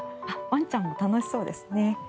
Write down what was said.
ワンちゃんも楽しそうですね。